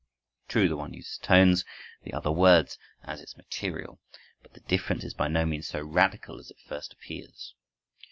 True, the one uses tones, the other words, as its material; but the difference is by no means so radical as at first appears.